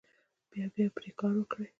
بیا بیا پرې کار وکړئ.